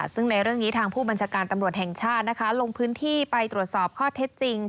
ซึ่งในเรื่องนี้ทางผู้บัญชาการตำรวจแห่งชาติลงพื้นที่ไปตรวจสอบข้อเท็จจริง